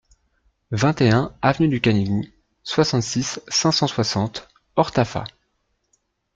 vingt et un avenue du Canigou, soixante-six, cinq cent soixante, Ortaffa